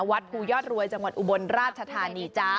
วัดภูยอดรวยจังหวัดอุบลราชธานีจ้า